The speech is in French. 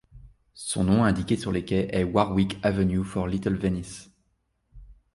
Son nom indiqué sur les quais est Warwick Avenue for Little Venice.